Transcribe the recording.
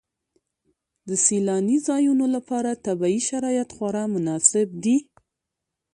د سیلاني ځایونو لپاره طبیعي شرایط خورا مناسب دي.